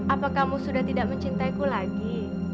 apa kamu sudah tidak mencintaiku lagi